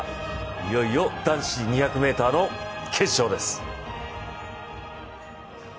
いよいよ男子２００ｍの決勝です。